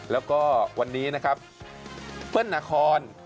แล้วก็วันนี้นะครับเปิ้ลนาคอน